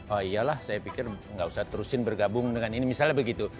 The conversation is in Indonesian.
oh iya lah saya pikir nggak usah terusin bergabung dengan ini misalnya begitu